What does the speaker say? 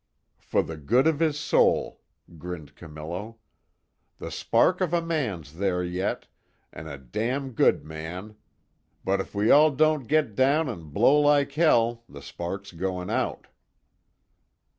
"For the good of his soul," grinned Camillo, "The spark of a man's there yet an' a damn good man. But if we all don't git down an' blow like hell the spark's goin' out."